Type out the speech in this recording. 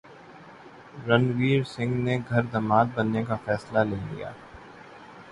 رنویر سنگھ نے گھر داماد بننے کا فیصلہ کر لیا